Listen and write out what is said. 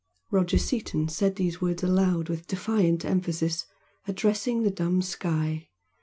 Roger Seaton said these words aloud with defiant emphasis, addressing the dumb sky.